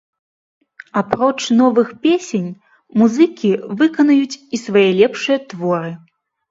Апроч новых песень музыкі выканаюць і свае лепшыя творы.